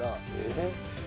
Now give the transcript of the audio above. えっ？